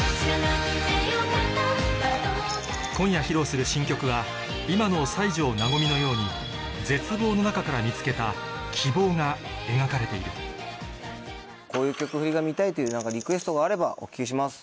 今夜披露する新曲は今の西條和のように絶望の中から見つけた希望が描かれているこういう曲フリが見たいというリクエストがあればお聞きします。